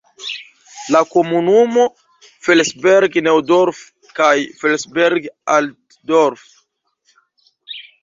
La komunumo Felsberg-Neudorf kaj Felsberg-Altdorf.